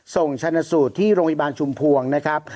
ส่งชนะสูตรที่โรงพยาบาลชุมพวงนะครับ